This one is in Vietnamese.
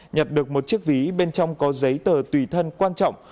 nhặt được một chiếc ví bên trong có giấy tờ tùy thân quan trọng